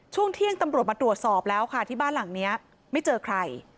ช่วงเที่ยงตำรวจมาตรวจสอบแล้วค่ะที่บ้านหลังนี้ไม่เจอใคร